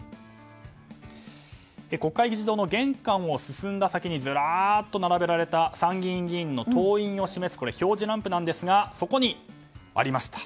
国会議事堂の玄関を進んだ先にずらっと並べられた参議院議員の党員を示す表示ランプですがそこに、ありました。